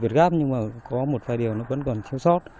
việt gáp nhưng mà có một vài điều nó vẫn còn thiếu sót